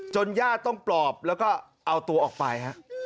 ญาติต้องปลอบแล้วก็เอาตัวออกไปฮะ